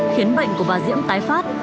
khiến bệnh của bà diễm tái phát